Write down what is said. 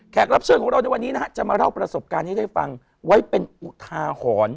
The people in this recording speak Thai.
รับเชิญของเราในวันนี้นะฮะจะมาเล่าประสบการณ์นี้ได้ฟังไว้เป็นอุทาหรณ์